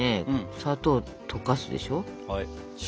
砂糖を溶かすでしょ。